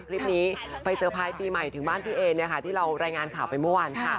คลิปนี้ไปเตอร์ไพรส์ปีใหม่ถึงบ้านพี่เอที่เรารายงานข่าวไปเมื่อวานค่ะ